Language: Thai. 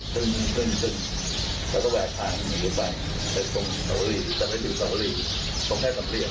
ขึ้นขึ้นขึ้นแล้วก็แวะทางไปไปตรงสวรีไปตรงสวรีตรงแค่ตำเรียน